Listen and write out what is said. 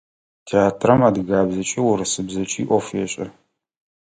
Театрам адыгабзэкӏи урысыбзэкӏи ӏоф ешӏэ.